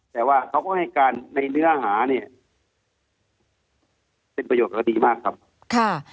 แต่ว่าเขาก็ให้การในเนื้อหาเป็นประโยชน์ดีมากครับ